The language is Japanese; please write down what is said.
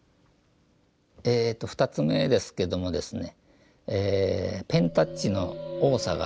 えっと２つ目ですけどもですね